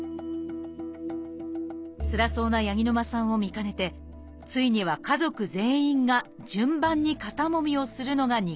つらそうな八木沼さんを見かねてついには家族全員が順番に肩もみをするのが日課となりました